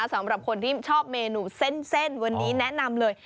สำหรับคนที่ชอบเมนูเส้นวันนี้แนะนำเลย